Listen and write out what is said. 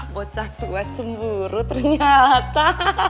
bocah tua cemburu ternyata